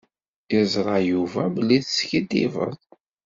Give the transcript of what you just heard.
Yeẓṛa Yuba belli teskiddibeḍ.